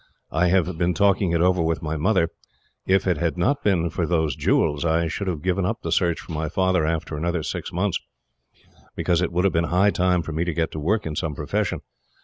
I have been talking it over with my mother. If it had not been for those jewels, I should have given up the search for my father after another six months, because it would have been high time for me to get to work in some profession.